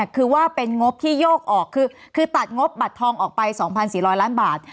คือว่าเป็นงบที่โยกออกคือตัดงบบัตรทองออกไป๒๔๐๐ล้านบาท